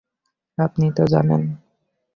আপনি তো জানেন।